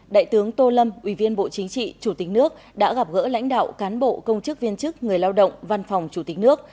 đại tướng tô lâm ủy viên bộ chính trị chủ tịch nước đã gặp gỡ lãnh đạo cán bộ công chức viên chức người lao động văn phòng chủ tịch nước